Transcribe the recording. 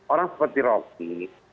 orang seperti rocky